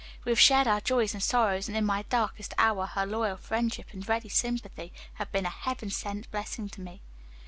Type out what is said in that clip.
We have shared our joys and sorrows, and in my darkest hours her loyal friendship and ready sympathy have been a heaven sent blessing to me."